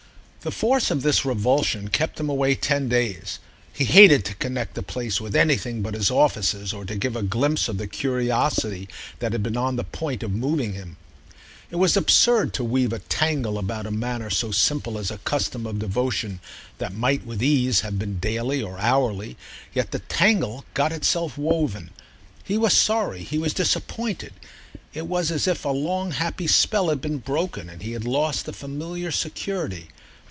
The force of this revulsion kept him away ten days: he hated to connect the place with anything but his offices or to give a glimpse of the curiosity that had been on the point of moving him. It was absurd to weave a tangle about a matter so simple as a custom of devotion that might with ease have been daily or hourly; yet the tangle got itself woven. He was sorry, he was disappointed: it was as if a long happy spell had been broken and he had lost a familiar security.